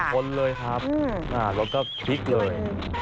ชนเลยครับรถก็พลิกเลย